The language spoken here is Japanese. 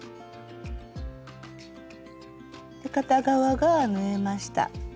片側が縫えました。